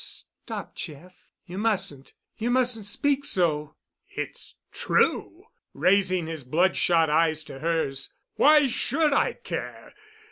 "Stop, Jeff, you mustn't—you mustn't speak so." "It's true," raising his bloodshot eyes to hers. "Why should I care?